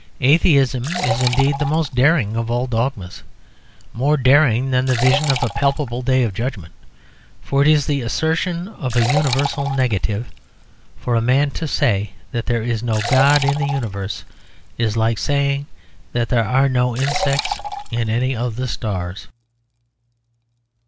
Atheism is indeed the most daring of all dogmas, more daring than the vision of a palpable day of judgment. For it is the assertion of a universal negative; for a man to say that there is no God in the universe is like saying that there are no insects in any of the stars.